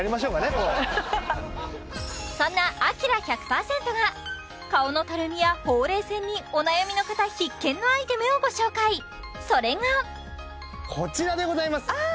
こうそんなアキラ１００％が顔のたるみやほうれい線にお悩みの方必見のアイテムをご紹介それがこちらでございますああ！